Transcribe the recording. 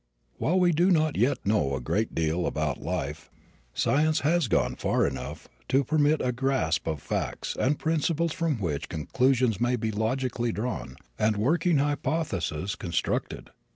While we do not yet know a great deal about life, science has gone far enough to permit a grasp of facts and principles from which conclusions may be logically drawn and working hypotheses constructed.